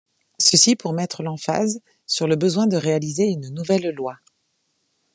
Ceci pour mettre l'emphase sur le besoin de réaliser une nouvelle loi.